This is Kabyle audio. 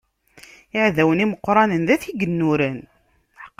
Iɛdawen imeqqranen d at igennuren.